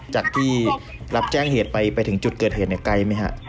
จากที่รับแจ้งเหตุไปถึงจุดเกิดเหตุไกลไหมฮะ